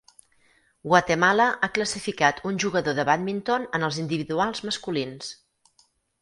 Guatemala ha classificat un jugador de bàdminton en els individuals masculins.